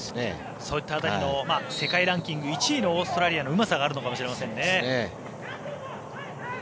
そういった辺りの世界ランキング１位のオーストラリアのうまさがあるのかもしれませんね。